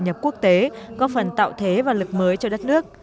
hợp quốc tế góp phần tạo thế và lực mới cho đất nước